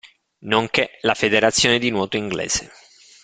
Nonché la federazione di nuoto inglese.